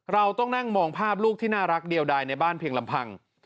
เราต้องนั่งมองภาพลูกที่น่ารักเดียวใดในบ้านเพียงลำพัง